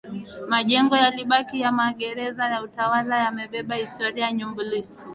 Majengo yaliyobaki ya magereza na utawala yamebeba historia nyumbulifu